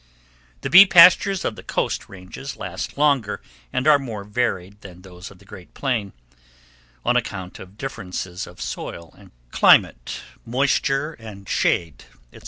The bee pastures of the Coast Ranges last longer and are more varied than those of the great plain, on account of differences of soil and climate, moisture, and shade, etc.